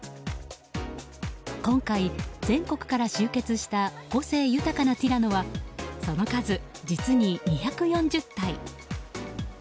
今回、全国から集結した個性豊かなティラノはその数、実に２４０体。